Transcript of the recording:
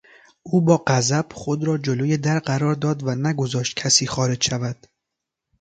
او با غضب خود را جلوی در قرار داد و نگذاشت کسی خارج شود.